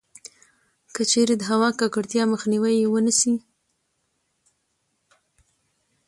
کـچـېرې د هوا کـکړتيا مخنيـوی يـې ونـه شـي٫